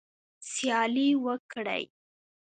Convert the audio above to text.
سیالي وکړئ